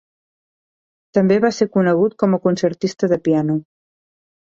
També va ser conegut com a concertista de piano.